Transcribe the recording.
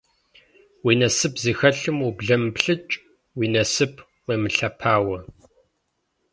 Уи насып зыхэлъым ублэмыплъыкӏ, уи насып уемылъэпауэ.